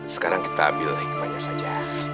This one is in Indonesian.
sekarang kita ambil hikmahnya saja